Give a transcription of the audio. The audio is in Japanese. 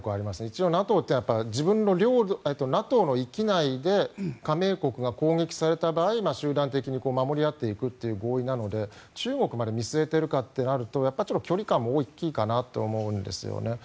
一応ＮＡＴＯってＮＡＴＯの域内で加盟国が攻撃された場合集団的に守り合っていくという合意なので中国まで見据えているかとなるとちょっと距離感も大きいかなと思うんですね。